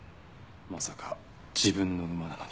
まさか自分の馬なのに。